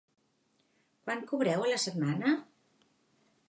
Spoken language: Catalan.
Quant cobreu a la setmana?